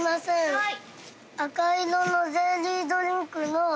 はい。